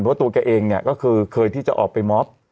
เพราะตัวแกเองเนี่ยก็คือเคยที่จะออกไปมอบ